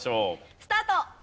スタート！